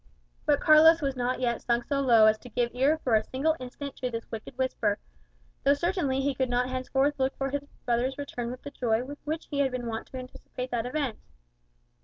But Carlos was not yet sunk so low as to give ear for a single instant to this wicked whisper; though certainly he could not henceforth look for his brother's return with the joy with which he had been wont to anticipate that event.